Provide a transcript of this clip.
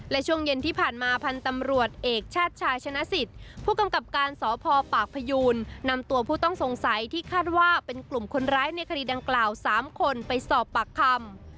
และช่วงเย็นที่ผ่านมาพันธ์ตำรวจเอกชาติชายชนะสิทธิ์ผู้กำกับการสพปากพยูนนำตัวผู้ต้องสงสัยที่คาดว่าเป็นกลุ่มคนร้ายในคดีดังกล่าว๓คนไปสอบปากคำ